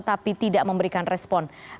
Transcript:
tapi tidak memberikan respon